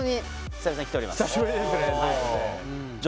久しぶりですねじゃ